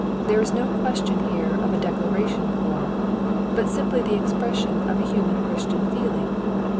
There is no question here of a declaration of war, but simply the expression of a human Christian feeling.